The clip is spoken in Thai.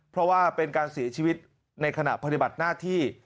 เพราะว่าเป็นการเสียชีวิตในขณะปฏิบัติหน้าที่